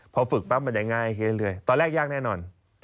พอฝึกปั๊บมันจะง่ายขึ้นเรื่อยตอนแรกยากแน่นอน